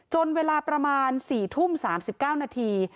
เวลาประมาณ๔ทุ่ม๓๙นาที